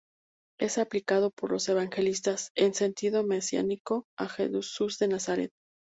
Es aplicado por los evangelistas, en sentido mesiánico, a Jesús de Nazaret.